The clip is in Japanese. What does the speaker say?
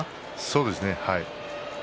そうですね。